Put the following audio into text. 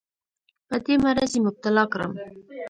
په دې مرض یې مبتلا کړم.